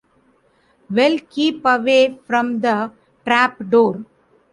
Well keep away from the trapdoor!